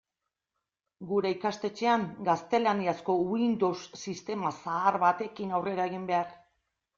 Gure ikastetxean gaztelaniazko Windows sistema zahar batekin aurrera egin behar.